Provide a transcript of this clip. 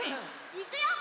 いくよ！